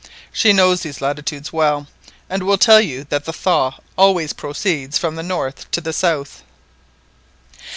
She knows these latitudes well, and will tell you that the thaw always proceeds from the north to the south."